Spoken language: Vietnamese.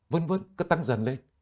vân vân cứ tăng dần lên